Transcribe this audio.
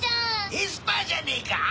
エスパーじゃねえか？